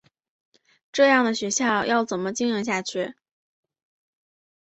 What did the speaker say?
这样的学校要怎么经营下去？